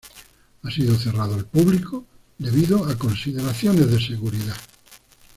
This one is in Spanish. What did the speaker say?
Ha sido cerrado al público debido a consideraciones de seguridad.